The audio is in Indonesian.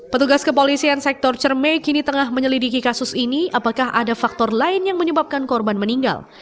petugas kepolisian sektor cermai kini tengah menyelidiki kasus ini apakah ada faktor lain yang menyebabkan korban meninggal